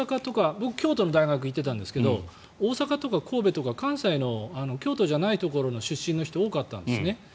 僕、京都の大学に行ってたんですけど大阪とか神戸とか関西の京都じゃないところの出身の人が多かったんですね。